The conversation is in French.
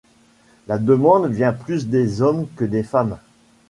La demande vient plus des hommes que des femmes.